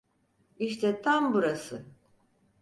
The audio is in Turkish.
İşte tam burası.